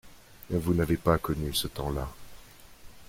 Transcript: Vous n’avez pas connu ce temps-là.